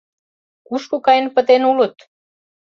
Кушко каен пытен улыт?